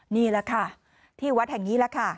นี่แหละค่ะที่วัดแห่งนี้แหละค่ะ